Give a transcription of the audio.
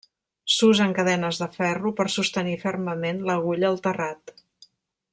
S'usen cadenes de ferro per sostenir fermament l'agulla al terrat.